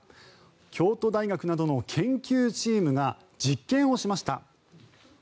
京都大学などの研究チームが実験をしました。